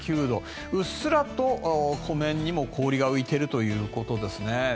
うっすらと湖面にも氷が浮いているということですね。